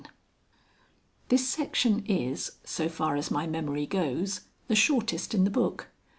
This section is (so far as my memory goes) the shortest in the book.